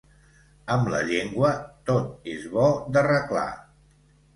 Amb la llengua, tot és bo d'arreglar.